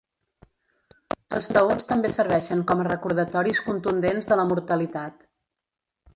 Els taüts també serveixen com a recordatoris contundents de la mortalitat.